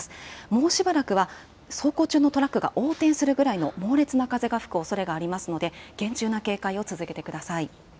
もうしばらくは、走行中のトラックが横転するぐらいの猛烈な風が吹くおそれがありますので、厳重な警戒を続けてください。